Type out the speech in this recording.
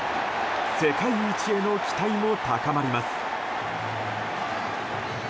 世界一への期待も高まります。